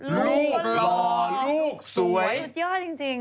ลูกหล่อลูกสวยสุดยอดจริง